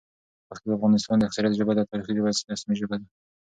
پښتو د افغانستان د اکثریت ژبه ده، تاریخي ژبه ده، رسمي ژبه ده